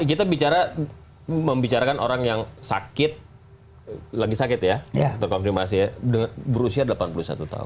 kita bicara membicarakan orang yang sakit lagi sakit ya terkonfirmasi ya berusia delapan puluh satu tahun